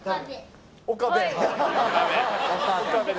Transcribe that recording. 「岡部」